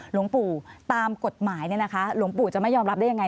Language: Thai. หลวงปู่ตามกฎหมายหลวงปู่จะไม่ยอมรับได้อย่างไร